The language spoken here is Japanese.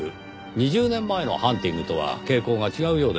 ２０年前の「ハンティング」とは傾向が違うようですが。